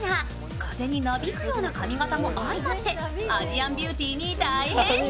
風になびくような髪形も相まってアジアンビューティーに大変身。